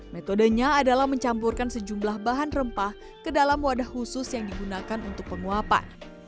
metodenya adalah mencampurkan sejumlah bahan rempah ke dalam wadah khusus yang digunakan untuk penguapan